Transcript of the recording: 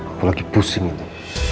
aku lagi pusing ini